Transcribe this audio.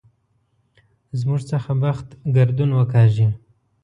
زموږ څخه بخت ګردون وکاږي.